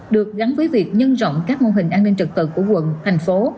được gắn với việc nhân rộng các mô hình an ninh trực tự của quận thành phố